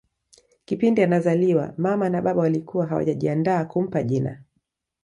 Kipindi anazaliwa mama na baba walikuwa hawajajiandaa kumpa jina